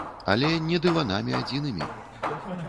Але не дыванамі адзінымі.